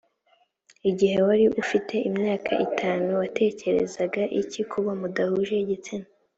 igihe wari ufite imyaka itanu watekerezaga iki ku bo mudahuje igitsina‽